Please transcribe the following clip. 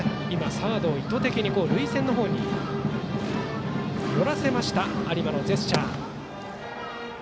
サードを意図的に塁線のほうに寄らせました有馬のジェスチャー。